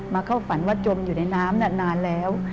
เข้าฝันว่าจมอยู่ในน้ำนานแล้ว